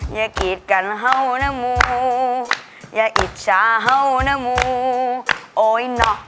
อย่ากิดกันเฮ้านะมูอย่าอิจฉาเฮ้านะมูโอ้ยโน่